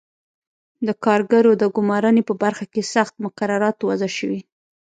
د کارګرو د ګومارنې په برخه کې سخت مقررات وضع شوي.